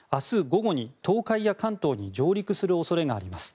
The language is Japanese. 午後に東海や関東に上陸する恐れがあります。